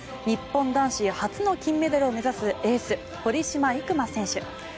日本男子初の金メダルを目指すエース、堀島行真選手。